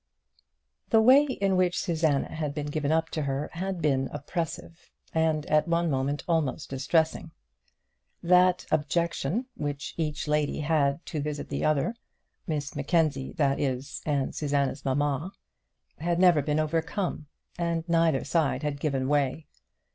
The way in which Susanna had been given up to her had been oppressive, and at one moment almost distressing. That objection which each lady had to visit the other, Miss Mackenzie, that is, and Susanna's mamma, had never been overcome, and neither side had given way.